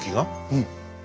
うん。